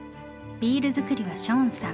ビール造りはショーンさん。